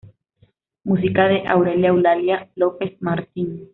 Música de Aurelia Eulalia López Martín.